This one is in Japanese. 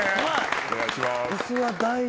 お願いします。